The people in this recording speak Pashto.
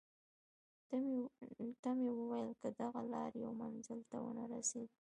ته مې وویل: که دغه لار یو منزل ته ونه رسېدل.